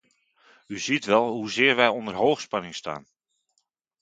U ziet wel hoezeer wij onder hoogspanning staan!